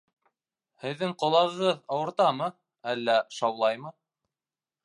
Һеҙҙең ҡолағығыҙ ауыртамы, әллә шаулаймы?